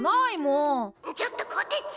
「ちょっとこてち！